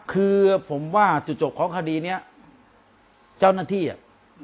คือผมว่าจุดจบของคดีเนี้ยเจ้าหน้าที่อ่ะ